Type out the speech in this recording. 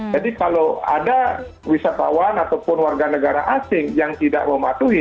jadi kalau ada wisatawan ataupun warga negara asing yang tidak mematuhi